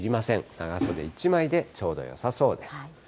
長袖１枚でちょうどよさそうです。